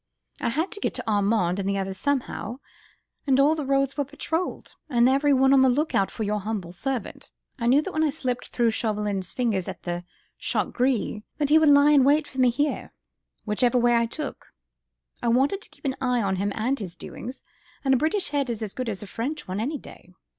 I had to get to Armand and the others somehow, and all the roads were patrolled, and everyone on the look out for your humble servant. I knew that when I slipped through Chauvelin's fingers at the 'Chat Gris,' that he would lie in wait for me here, whichever way I took. I wanted to keep an eye on him and his doings, and a British head is as good as a French one any day."